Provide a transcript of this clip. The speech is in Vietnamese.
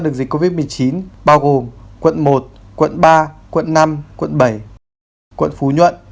được dịch covid một mươi chín bao gồm quận một quận ba quận năm quận bảy quận phú nhuận